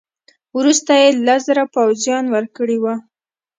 وروسته یې لس زره پوځیان ورکړي وه.